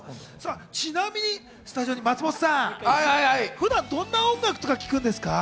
ちなみにスタジオにいる松本さん、普段どんな音楽とか聴くんですか？